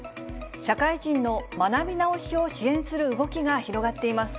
社会人の学び直しを支援する動きが広がっています。